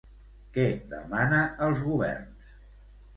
Què demana als governs?